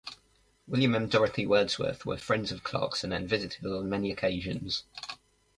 William and Dorothy Wordsworth were friends of Clarkson and visited on many occasions.